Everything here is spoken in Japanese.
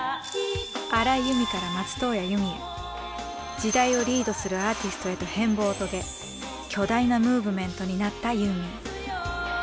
時代をリードするアーティストへと変貌を遂げ巨大なムーブメントになったユーミン。